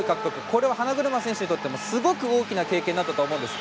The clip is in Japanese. これは花車選手にとってもすごく大きな経験になったと思うんです。